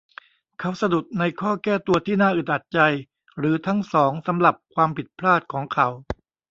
เขาสะดุดในข้อแก้ตัวที่น่าอึดอัดใจหรือทั้งสองสำหรับความผิดพลาดของเขา